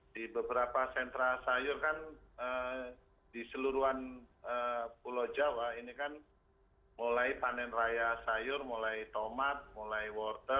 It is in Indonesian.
di beberapa sentra sayur kan di seluruhan pulau jawa ini kan mulai panen raya sayur mulai tomat mulai wortem